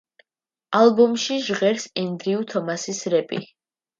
ალბომში ჟღერს ენდრიუ თომასის რეპი.